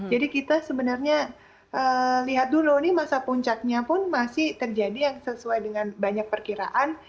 jadi kita sebenarnya lihat dulu ini masa puncaknya pun masih terjadi yang sesuai dengan banyak perkiraan